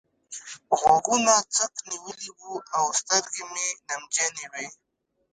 غوږونه څک نيولي وو او سترګې مې نمجنې وې.